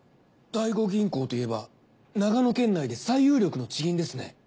第五銀行といえば長野県内で最有力の地銀ですね。